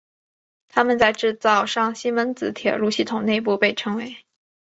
它们在制造商西门子铁路系统内部被称为。